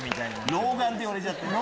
老眼って言われちゃって。